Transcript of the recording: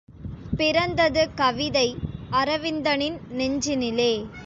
பிறந்தது கவிதை அரவிந்தனின் நெஞ்சினிலே.